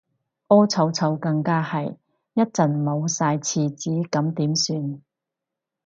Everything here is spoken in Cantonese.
屙臭臭更加係，一陣冇晒廁紙咁點算